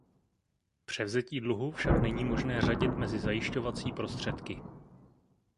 Převzetí dluhu však není možné řadit mezi zajišťovací prostředky.